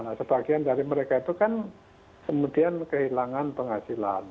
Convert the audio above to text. nah sebagian dari mereka itu kan kemudian kehilangan penghasilan